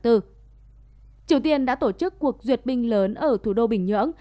triều tiên đã tổ chức cuộc ruột bình lớn ở thủ đô bình nhưỡng